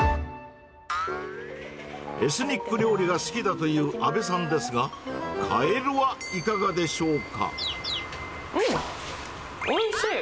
エスニック料理が好きだという阿部さんですが、カエルはいかがでうん！おいしい。